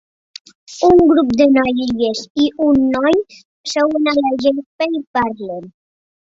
Un grup de noies i un noi seuen a la gespa i parlen.